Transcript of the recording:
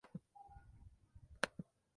Juárez gritó de dolor.